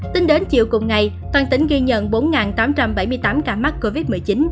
tính đến chiều cùng ngày toàn tỉnh ghi nhận bốn tám trăm bảy mươi tám ca mắc covid một mươi chín